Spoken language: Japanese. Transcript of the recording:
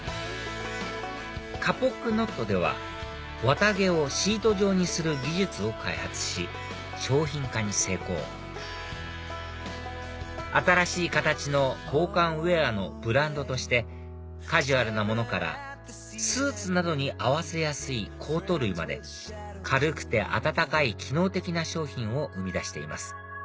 ＫＡＰＯＫＫＮＯＴでは綿毛をシート状にする技術を開発し商品化に成功新しい形の防寒ウエアのブランドとしてカジュアルなものからスーツなどに合わせやすいコート類まで軽くて暖かい機能的な商品を生み出しています